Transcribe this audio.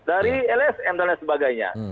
dari lsm dan lain sebagainya